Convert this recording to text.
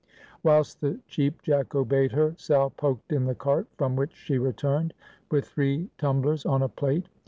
Whilst the Cheap Jack obeyed her, Sal poked in the cart, from which she returned with three tumblers on a plate.